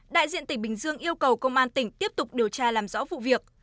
đại diện tỉnh bình dương yêu cầu công an tỉnh tiếp tục điều tra làm rõ vụ việc